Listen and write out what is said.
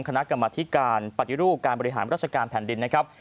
คณะกรรมธิการปฏิรูปการบริหารราชการแผ่นดินนะครับ